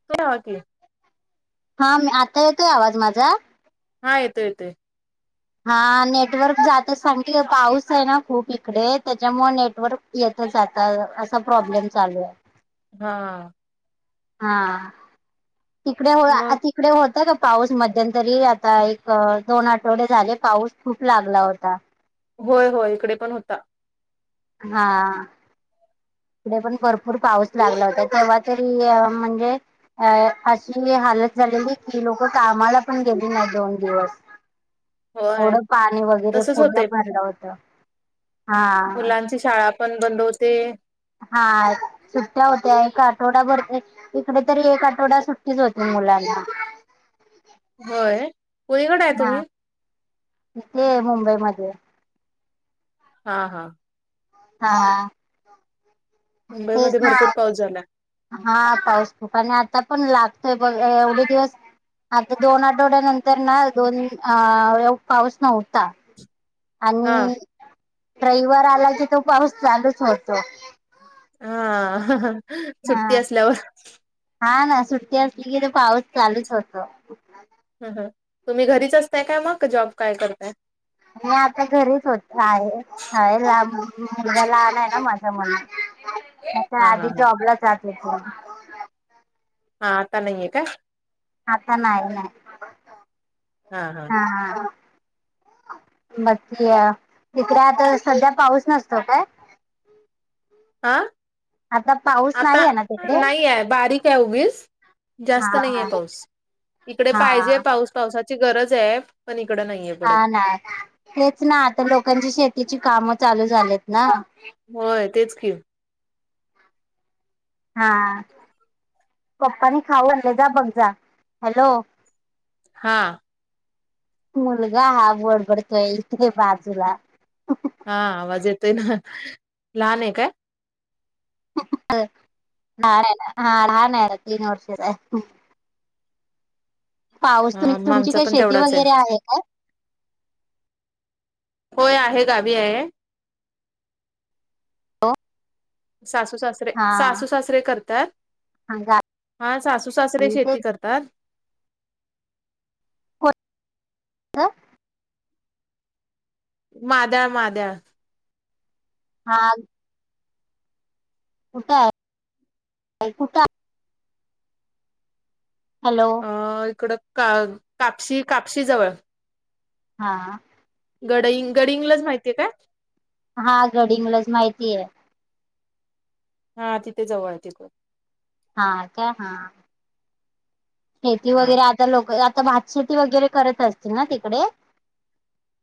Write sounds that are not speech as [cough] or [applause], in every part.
[unintelligible] हा मी आता येतोय आवाज माझा? हा येतोय येतोय. हा नेटवर्क जातच सांगते पाऊस आहे ना खूप इकडे त्याच्यामुळे नेटवर्क येत जात असा प्रॉब्लेम चालू आहे. हां हां हां तिकडे हो त मग तिकडे होत का पाऊस मध्यंतरी आता एक दोन आठवडे झाले पाऊस खूप लागला होता. [inaudible] होय होय इकडे पण होता. हां ते पण भरपूर पाऊस लागला होता तेव्हा तरी म्हणजे अ अशी हालत झालेली की लोक कामाला पण गेली नाही दोन दिवस. होय एवढं पाणी वगैरे तसच पूर्ण होते भरलं होतं. मुलांची शाळा पण बंद होते. हा सुट्ट्या होत्या एक आठवडाभर तरी इकडे तरी एक आठवडा सुट्टीच होती मुलांना. होय कोणीकडे आहे हा तुम्ही? इथे मुंबईमध्ये. हा हां हां तेच मुंबईमध्ये ना. भरपूर पाऊस झाला हा पाऊस खूप आणि आता पण लागतोय बघ एवढे दिवस आता दोन आठवड्यानंतर ना दोन अ पाऊस नव्हता. हा आणि रविवार आला की तो पाऊस चालूच होतो. हा हा सुट्टी असल्यावर. हा ना सुट्टी असली की पाऊस चालूच होतो. ह हं तुम्ही घरीच असताय काय मग जॉब काय करताय? मी आता घरीच होत आहे ह मु्लगा लहान आहे ना माझं म्हणून. हा त्याता हा आधी हा जॉबला जात होते. हा आता नाहीये का? आता नाय ह हा हा हां बक्की तिकडे आता सध्या पाऊस नसतो काय? हा आता पाऊस नाही आता आहे ना तिकडे नाहीये बारीक आहे उगीस हा जास्त नाहीये हा पाऊस इकडे पाहिजे हा पाऊस पावसाची गरज आहे पण इकड नाही हा ना तेच ना आता लोकांची शेतीची कामं चालू झालेत ना होय तेच की हा पप्पानी खाऊ आणलय का बघ जा हॅलो हा मुलगा हा बडबडतोय इतके बाजूला हा आवाज येतोय ना लहान आहे काय हा लहान आहे तीन वर्षाचा आहे पाऊस ह तुम्ही तुमची माझा काही पण शेती तेवढाच आहे वगैरे काय होय आहे गावी आहे हो सासू सासरे सरे सासू हा सासरे करतात हा सासू सासरे शेती करतात अ माद्या माद्या हा कुठ आहे कुठ हॅलो अ इकडं का कापशी कापशी जवळ हां गड गडहिंग्लज माहितीये काय हा गडहिंग्लज माहितीये हा तिथे जवळ तिकड हा का हा शेती हा वगैरे आता लोक आता भातशेती वगैरे करत असतील ना तिकडे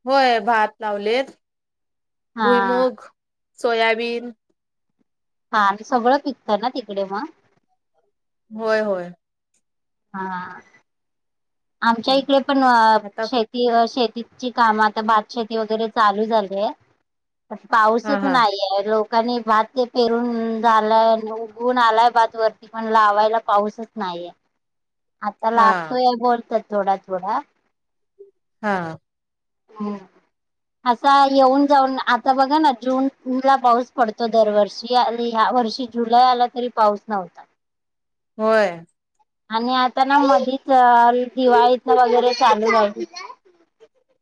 होय भात लावलेत हा भुईमूग, सोयाबीन हा आणि सगळं पिकतं ना तिकडे मग होय होय हा आमच्या हम्म इकडे पण आता शे ती शेतीची काम आता भातशेती वगैरे चालू झालीये हा पाऊसच हा नाहीये लोक भात ते पेरून झालाय उगवून आलाय भात वर पण लावायला पाऊसच नाहीये आता हा लागतोया बोलत थोडा थोडा हा हम्म असा येऊन जाऊन आता बघा ना जून ला पाऊस पडतो दरवर्षी आणि ह्या वर्षी जुलै आला तरी पाऊस नव्हता होय आणि आता ना मधीच दिवाळीचा वगैरे चालू राई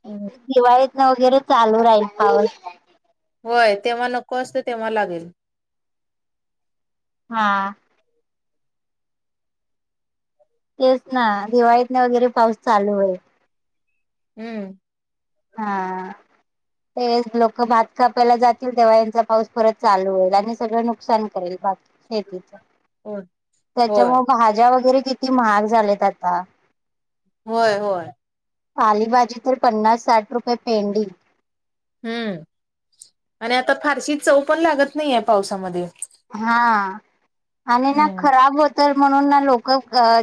हम्म दिवाळीतन वगैरे चालू राहील पाऊस होय तेव्हा नको असतो तेव्हा लागेल हा तेच ना दिवाळीत ना वगैरे पाऊस चालू होईल हम्म हा ते लोक भात कापायला जातील तेव्हा यांचा पाऊस परत चालू होईल आणि सगळं नुकसान करेल भात. ती होय त्याच्यामु होय भाज्या वगैरे किती महाग झालेत आता होय होय. पालीभजी तर पन्नास साठ रुपये पेंडी हम्म आणि आता फारशी चव पण लागत नाही आहे पावसामध्ये हा आणि ना हम्म खराब होत. तर म्हणून ना लोक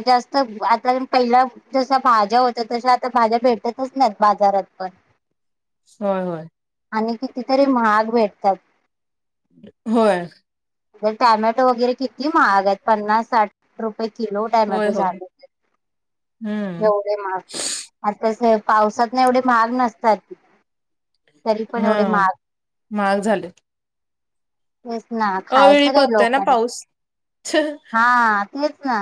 जास्त आता पहिला जसा भाज्या होत तस आता भाज्या भेटतच नाहीत बाजारात पण होय होय. आणि किती तरी महाग भेटतात. होय. तर टॅमॅटो वगैरे किती महाग आहेत पन्नास साठ. रुपये किलो होय टॅमॅटो होय झाले हम्म एवढे माग आता पावसात ना एवढे महाग नसतात तरी पण हा एवढे महाग महाग झाले. तेच ना अवेळी खायचं नाही पडतोय ना लोक पाऊस हा तेच ना.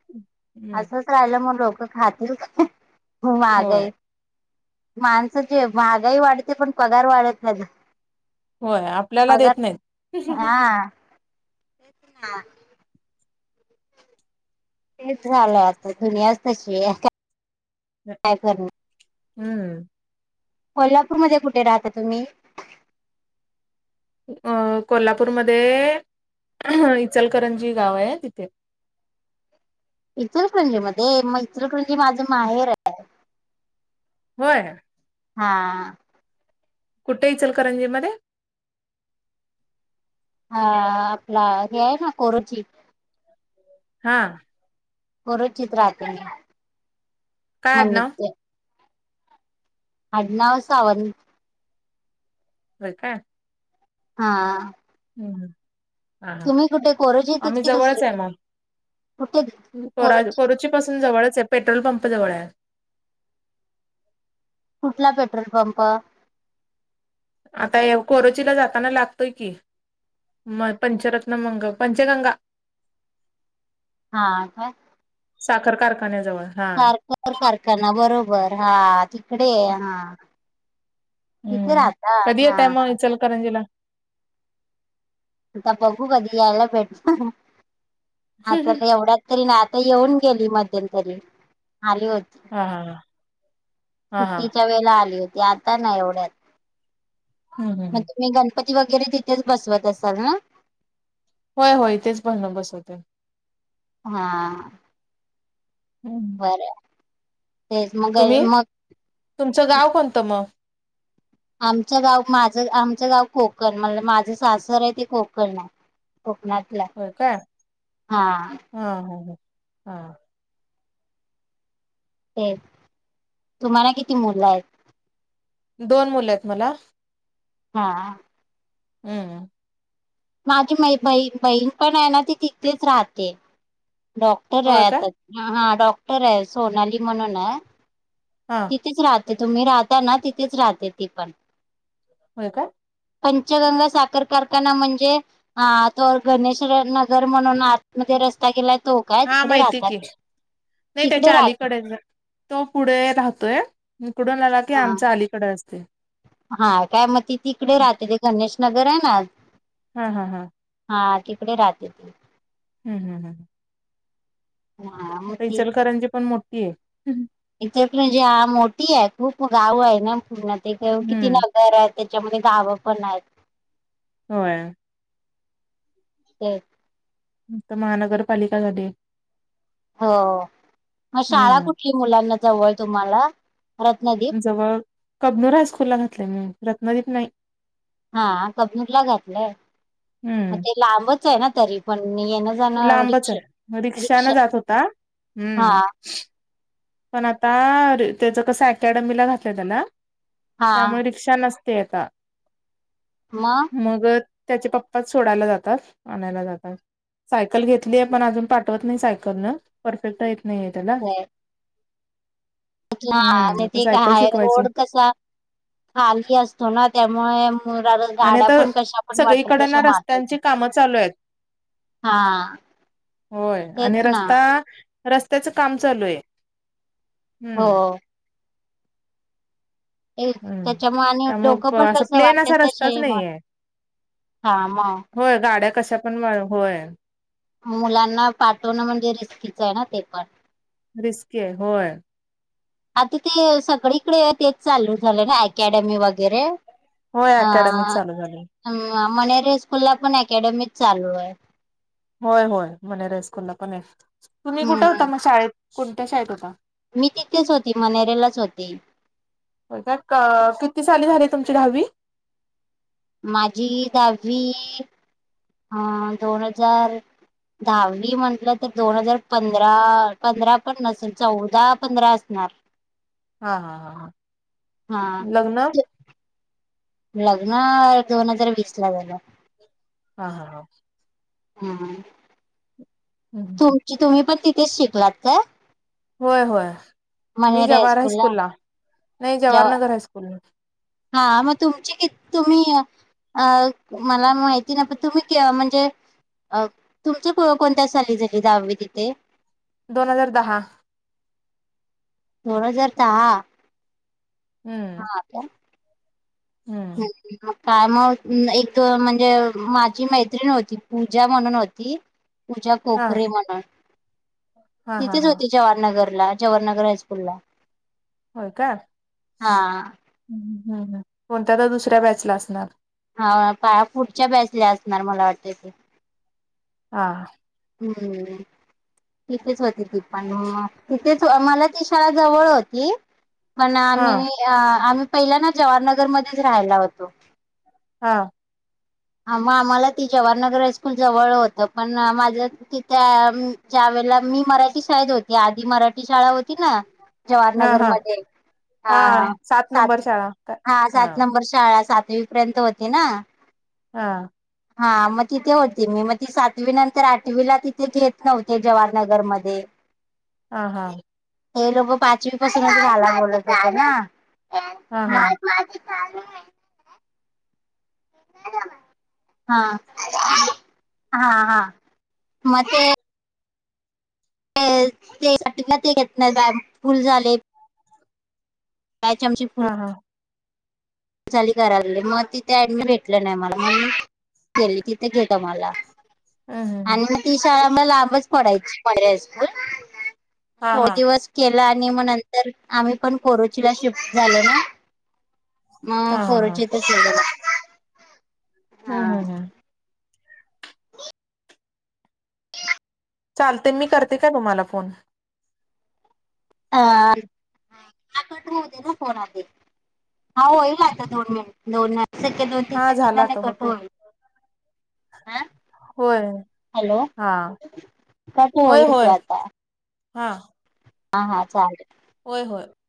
हम्म असंच राहिलं मग लोकं खातीलू माग होय आहे. माणसं जे महागाई वाढते पण पगार वाढत नाही. होय आपल्याला पगार देत नाही. ते त नाही. तेच झालं आता दुनियाच तशी आहे. काय कर ना. हम्म कोल्हापूरमध्येध्ये कुठे राहता तुम्ही? अ कोल्हापूरमध्ये इचलकरंजी गाव आहे तिथे इथरकुंजी मध्ये मग इथरकृंजी माझ माहेर आहे. होय. हा. कुठे येचलंजी मध्ये हा आपला हे आहे ना कोरची हा. पुरुचित राहते काय म म म आडनाव ते हड नाव सावंत. ब का? हा. हम् हम. हा तुम्ही कुठे कोरोचीतच आम्ही की जवळच आहे दुसरीकडे मग कुठे कर. कोरोची पाासून जवळच आहे पेट्रोल पंप जवळ आहे. कुठला पेट्रोल पंप आता खरोचीला जाताना लागतोय की म पंचरत्न मंग पंचगंगा हा काय? साखर कारखान्याजवळ. हा. साखर कारखाना बरोबर हा तिकडे हा. तिथे हम्म राहता कधी हा येताय मग इचलकरंजीला? आता बघू कधी यायला भेटत आता एवढा. तरी नाही आता येऊन गेली मध्यंतरी आली होती. हा हा हा हा हा सुट्टीच्या वेळेला आली होती आता ना एवढ्यात. हा हम ह. मी गणपती वगैरे तिथेच बसवत असाल ना. होय होय इथेच बणं बसवतोय. हां हम्म बरं तेच मग तुम्ही मग तुमचं गाव कोणतं मग? आमचं गाव माझं आमचं गाव कोकण म्हणल माझं सासर आहे ते कोकण. कोकणात. होय काय हा ह ह हा. तेच, तुम्हाला किती मुल आहेत? दोन मुलं आहेत मला. हां हम्म माझी म ब बहीण पण आहे ना ती तिथेच राहते. डॉक्टर होय आहे काय आता हा डॉक्टर आहे सोनाली म्हणून आहे. हा तिथेच राहते तुम्ही राहता ना तिथेच राहते ती पण. हो काय पंचगंगा साखर कारखाना म्हणजे. हा तो गणेश नगर म्हणून आतमध्ये रस्ता गेलाय. तो काय हा तिकडे माहिती राहतात की. नाही तिकडे त्याच्या राहत अलीकडे ज- तो पुढे राहतोय इकडून आला की हा आमच्या अलीकडे असते. हा काय मग ती तिकडे राहते ते गणेश नगर आहे ना. हा हा हां हा तिकडे राहते ती. हम्म हम्म हा मग आता ती इचलकरंजी पण मोठी आहे. इचलकरंजी हा मोठी आहे. खूप गाव आहे ना पूर्ण ते किती हम्म न आहे त्याच्यामध्ये गाव पण आहेत. होय. तेच. इथं महानगरपालिका झाली. हो, मग शाळा हम्म कुठली मुलांना जवळ तुम्हाला? रत्नदीप जवळ कबनूर हायस्कूल ला घातलंय मी रत्नादीप नाही. हा कबनूरला घातलंय. मग ते हम्म लांबच आहे ना तरी पण ने येन लांबच आहे रिक्षाने जात होता. हा हम्म. पण आता त्याच कस ऍकडमीला घातलं त्याला हा त्यामुळे. रीक्षा नसते आता. मगं. मग त्याचे पप्पाच सोडायला जातात आणायला जातात. सायकल घेतली आहे पण अजून पाठवत नाही सायकल न परफेक्ट येत नाही आहे त्याला. ते हम्म आणि आता ते ह सायकल आहे शिकवायची रोड कसा. खाली असतो ना त्यामुळे आणि गाड्या तर पण कशा पण वाटेल सगळीकडन तशा रस्त्यांची मारतात कामं चालू आहेत. हा होय आणि तेच ना रस्ता रस्त्याच काम चालू आहे हम्म हो हम्म त्याच्यामुळे आणि लोक त्यामुळे पण असं कस प्लेन वाटत असा तशे रस्ताच आहे म नाहीये हा मग. होय गाड्या कशा पण होय. मुलांना पाठवणं म्हणजे रिस्कीचं आहे ना ते पण. रिस्की आहे होय. आता ते सगळीकडे तेच चालू झालं ना अकॅडमी वगैरे. हो अकॅडमी चालू झालयं. हम्म, मनेरे स्कूल ला पण एकॅडमीच चालू आहे. होय, होय मनेरे स्कुलला पण आहे. तुम्ही कुठे होता हम्म मग शाळेत कोणत्या शाळेत होता? मी तिथेच होती मनेरेलाच होती. होय काय. किती साली झाली तुमची दहावी? माझी दहावी ह दोन हजार दहावी म्हटलं तर दोन हजार पंधरा, पंधरा पण नसेल चौदा, पंधरा असणार. [unintelligible] हा हा हा. हा लग्न? लग्न दोन हजार वीसला झालं. हा हा ह. हम्म.. तुमची तुम्ही पण तिथेच शिकलात काय? होय, होय मी जवाहर हायस्कूल ला नाही जवाहर जेव्हा नगर हायस्कूला. हा मग तुमची कित तुम्ही अ मला माहिती नाही पण तुम्ही म्हणजे अ तुमची कोणत्या साली झाली दहावी तिथे? दोन हजार दहा. दोन हजार दहा. हम्म. काय. [inaudible] हम्म काय मग एक म्हणजे माझी मैत्रीण होती. पूजा म्हणून होती. पूजा हा कोकरे म्हणून हा हा तिथेच हा होती जवाहरनगरला. जवाहरनगर हायस्कूला. होय काय. हम्म, हम्म कोणत्या तर दुसऱ्या बॅचला असणार. हा पुढच्या बॅचला असणार मला वाटत ते. हा. हम्म, तिथेच होती ती पण मग. तेच मला ती शाळा जवळ होती पण हा आम्ही अ आम्ही पहिल्या ना जवाहरनगरमध्येच राहायला होतो. हा. मग आम्हाला ती जवाहरनगर हायस्कूल जवळ होत पण माझ तिथ त्या वेळेला मी मराठी शाळेत होती आधी मराठी शाळा होती ना हा हा जवाहरनगरमध्ये हा, हा सात हा सात नंबर शाळा सातवी पर्यंत होती ना. हा. हा मग तिथे होती मी मग ती सातवी नंतर आठवीला तिथे घेत नव्हते जवाहरनगर मध्ये. [unintelligible] हा हा. हे लोक पाचवी पासून घाला बोलत होते ना हा हा मग. हा, हा, हा, मते ते ते घेत नाही बॅच फुल झालेत काय चमच [unintelligible] हां. करायली मग तिथे ऍडमि भेटलं नाही मला मग केली तिथे घेता मला हम्म आणि ती शाळा मला लांबच पडायची पर्या हायस्कूल. हा थोड हा दिवस केला आणि मग नंतर आम्ही पण कोरचीला शिफ्ट झालना. म हा हा हा कोरचीत [unintelligible] शले हम्म, हम्म, हम्म. चालते मी करते काय तुम्हाला फोन. हा हा कट होऊदे ना फोन आधी हा होईल आता दोन मिन दोन सेकेड दोन तीन हा झाला सेकंदाने आता कट होते होईल. आ होय हॅलो! हा कट होय होईल तो होय आता. हा. हा हा चालेल. होय होय.